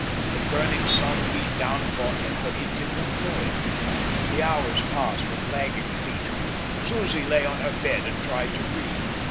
The burning sun beat down upon him, but he did not know it. The hours passed with lagging feet. Susie lay on her bed and tried to read.